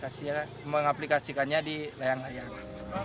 kita mengaplikasikannya di layang layang